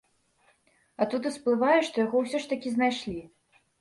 А тут усплывае, што яго ўсё ж такі знайшлі.